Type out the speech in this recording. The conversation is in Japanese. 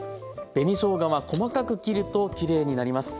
紅しょうがは細かく切るときれいになります。